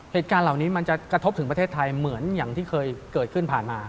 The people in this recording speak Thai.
เหตุการณ์เหล่านี้กระทบพันธุ์ไทยเหมือนอย่างที่เกิดขึ้นผ่านมา